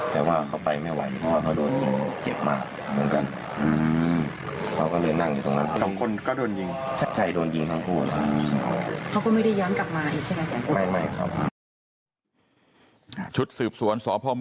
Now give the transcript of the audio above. แต่ว่าเขาไปไม่ไหวเพราะว่าเขาโดนงูเจ็บมาเหมือนกัน